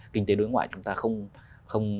kinh tế đối ngoại chúng ta không